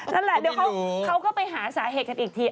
นั่นแหละเดี๋ยวเขาก็ไปหาสาเหตุกันอีกที